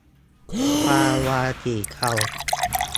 ปลาวาฬสีเทา